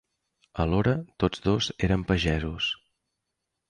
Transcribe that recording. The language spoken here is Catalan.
Alhora, tots dos eren pagesos.